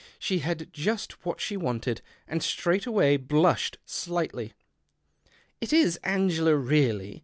She had just what she wanted, and straightway blushed slightly. "It is Angela, really.